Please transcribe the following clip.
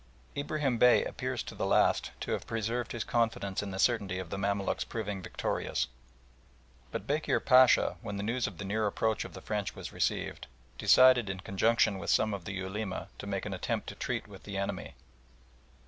Ibrahim Bey appears to the last to have preserved his confidence in the certainty of the Mamaluks proving victorious, but Bekir Pacha, when the news of the near approach of the French was received, decided in conjunction with some of the Ulema to make an attempt to treat with the enemy.